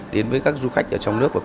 đến với các du khách ở trong nước